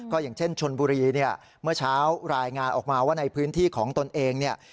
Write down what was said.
อย่างเช่นชนบุรีเนี่ยเมื่อเช้ารายงานออกมาว่าในพื้นที่ของตนเองเนี่ย